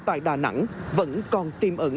tại đà nẵng vẫn còn tiêm ẩn